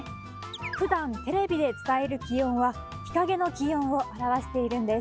ふだんテレビで伝える気温は日陰の気温を表しているんです。